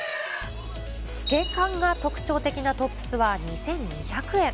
透け感が特徴的なトップスは２２００円。